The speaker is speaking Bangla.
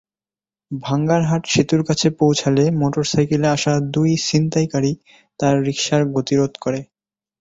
ভাঙ্গারহাট সেতুর কাছে পৌঁছালে মোটরসাইকেলে আসা দুই ছিনতাইকারী তাঁর রিকশার গতিরোধ করে।